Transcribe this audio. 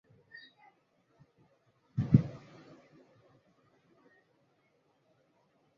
শক্তিশালী ব্যবহারকারী ব্যবহার করেন প্রোগ্রামের উন্নত বৈশিষ্ট্য যদিও তাদের কোন প্রোগ্রামিং এবং সিস্টেম প্রশাসনের প্রয়োজন নেই।